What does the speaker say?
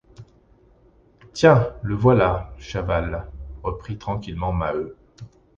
Tiens! le voilà, Chaval, reprit tranquillement Maheu.